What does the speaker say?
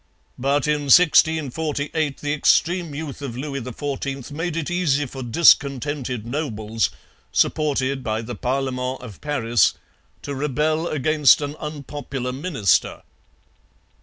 But in 1648 the extreme youth of Louis XIV made it easy for discontented nobles, supported by the Parlement of Paris, to rebel against an unpopular minister.